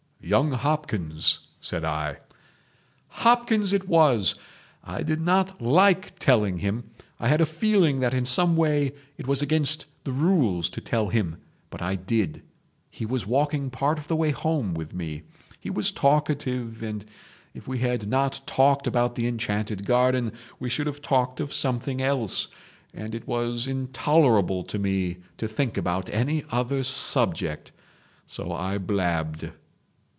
"Young Hopkins," said I. "Hopkins it was. I did not like telling him, I had a feeling that in some way it was against the rules to tell him, but I did. He was walking part of the way home with me; he was talkative, and if we had not talked about the enchanted garden we should have talked of something else, and it was intolerable to me to think about any other subject. So I blabbed.